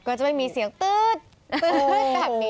ก็จะไม่มีเสียงตื๊ดแบบนี้